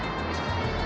jangan makan aku